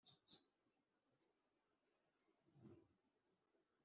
abanyarwanda bose mu byerekeye ubukungu bagiye kure